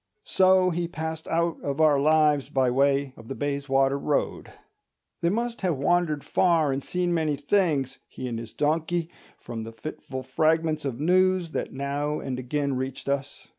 So he passed out of our lives by way of the Bayswater Road. They must have wandered far and seen many things, he and his donkey, from the fitful fragments of news that now and again reached us.